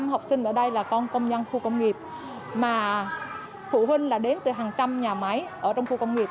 một trăm học sinh ở đây là con công nhân khu công nghiệp mà phụ huynh là đến từ hàng trăm nhà máy ở trong khu công nghiệp